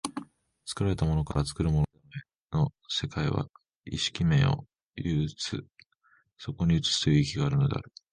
作られたものから作るものへの世界は意識面を有つ、そこに映すという意義があるのである。